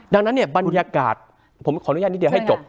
ดังนั้นเนี่ยบรรยากาศผมขออนุญาตนิดเดียวให้จบ